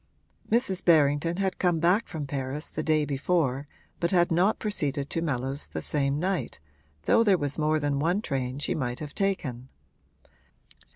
Mrs. Berrington had come back from Paris the day before but had not proceeded to Mellows the same night, though there was more than one train she might have taken.